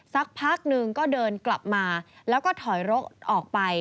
สักพักหนึ่งก็เดินกลับมาแล้วก็ถอยรกออกไป